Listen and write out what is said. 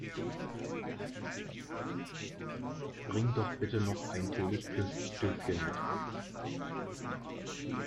Bring doch bitte noch ein Teelicht fürs Stövchen mit!